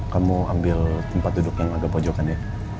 kamu ambil tempat duduk yang ada pojokan ya